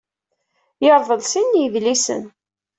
Yerḍel sin n yedlisen.